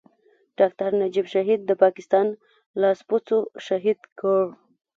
ډاکټر نجيب شهيد د پاکستان لاسپوڅو شهيد کړ.